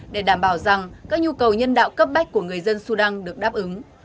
để đảm bảo rằng các nhu cầu nhân đạo cấp bách của người dân sudan được đáp ứng